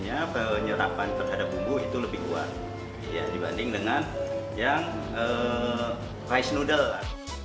jadi penyerapan terhadap bumbu itu lebih kuat dibandingkan dengan yang rice noodle